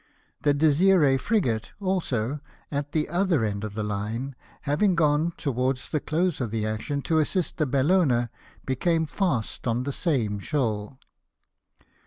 The Desiree frigate also, at the other end of the line, having gone, towards the close of the action, to assist the Bellona, became fast on the same shoal.